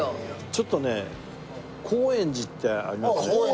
ちょっとね高円寺ってありますよね。